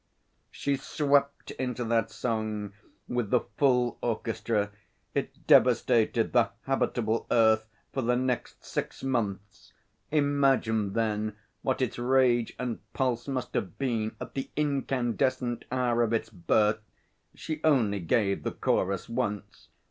She swept into that song with the full orchestra. It devastated the habitable earth for the next six months. Imagine, then, what its rage and pulse must have been at the incandescent hour of its birth! She only gave the chorus once.